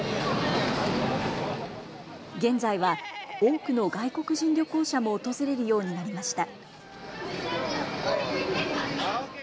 現在は多くの外国人旅行者も訪れるようになりました。